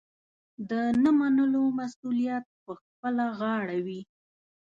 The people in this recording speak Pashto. د نه منلو مسوولیت پخپله غاړه وي.